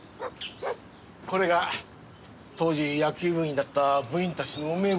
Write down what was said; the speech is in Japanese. これが当時野球部員だった部員たちの名簿です。